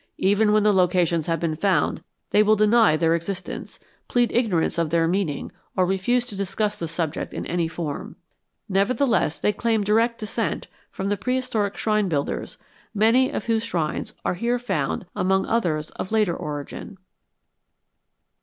Even when the locations have been found they will deny their existence, plead ignorance of their meaning, or refuse to discuss the subject in any form." Nevertheless, they claim direct descent from the prehistoric shrine builders, many of whose shrines are here found among others of later origin.